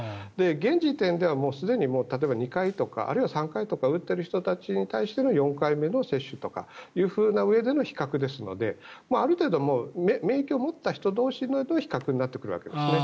現時点ではすでに例えば２回とか、あるいは３回打っている人たちに対しての４回目の接種とかという意味での比較ですのである程度、免疫を持った人同士の比較になってくるわけですね。